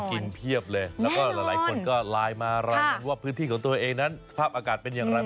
เพียบเลยแล้วก็หลายคนก็ไลน์มารายงานว่าพื้นที่ของตัวเองนั้นสภาพอากาศเป็นอย่างไร